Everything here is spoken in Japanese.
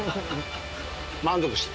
満足した。